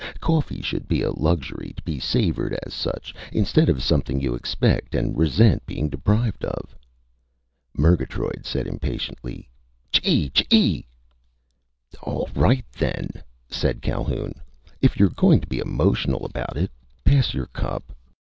Coffee should be a luxury, to be savored as such, instead of something you expect and resent being deprived of." Murgatroyd said impatiently: "Chee chee!" "All right, then," said Calhoun, "if you're going to be emotional about it! Pass your cup."